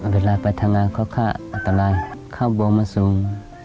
เวลาไปทำงานเขาฆ่าอันตรายข้าวบัวมาสูง